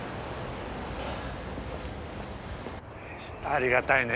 ありがたいね